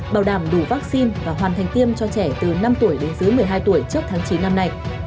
bảo đảm đủ vaccine và hoàn thành tiêm cho trẻ từ năm tuổi đến dưới một mươi hai tuổi trước tháng chín năm nay